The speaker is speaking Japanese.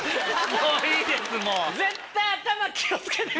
もういいですもう。